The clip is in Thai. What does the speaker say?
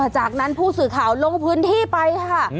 จากนั้นผู้สื่อข่าวลงพื้นที่ไปค่ะ